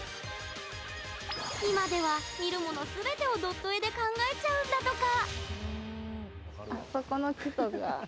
今では、見るものすべてをドット絵で考えちゃうんだとか。